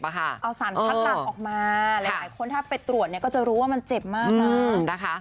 เอาสารพักตับออกมาหลายคนถ้าไปตรวจก็จะรู้ว่ามันเจ็บมาก